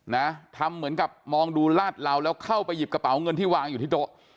นะทำเหมือนกับมองดูลาดเหลาแล้วเข้าไปหยิบกระเป๋าเงินที่วางอยู่ที่โต๊ะ